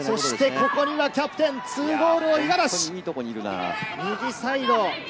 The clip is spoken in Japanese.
ここにキャプテン、２ゴールの五十嵐。